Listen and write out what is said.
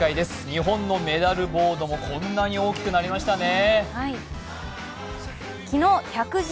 日本のメダルボードもこんなに大きくなりましたね。